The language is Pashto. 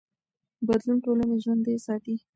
بدلون ټولنې ژوندي ساتي